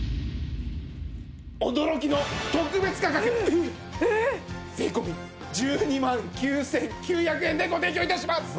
驚きの特別価格税込１２万９９００円でご提供致します！